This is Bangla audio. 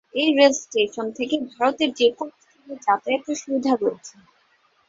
এই রেলস্টেশন থেকে ভারতের যে কোনো স্থানে যাতায়াতের সুবিধা রয়েছে।